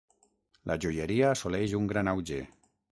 La joieria assoleix un gran auge.